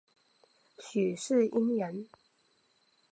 许世英人。